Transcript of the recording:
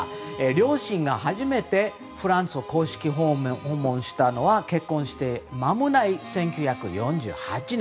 両親が初めてフランスを公式訪問したのは結婚してまもない１９４８年。